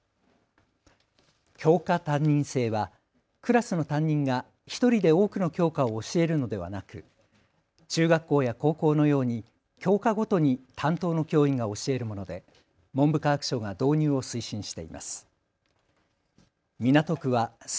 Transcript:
教科担任制はクラスの担任が１人で多くの教科を教えるのではなく中学校や高校のように教科ごとに担当の教員が教えるもので文部科学省が導入を推進しています。